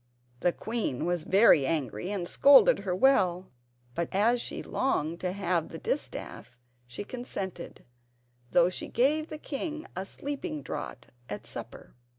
The queen was very angry, and scolded her well; but as she longed to have the distaff she consented, though she gave the king a sleeping draught at supper.